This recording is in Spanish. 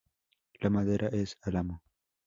La madera es álamo.